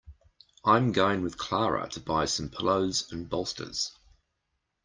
I'm going with Clara to buy some pillows and bolsters.